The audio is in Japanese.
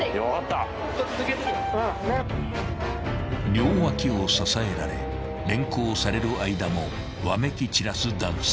［両脇を支えられ連行される間もわめき散らす男性］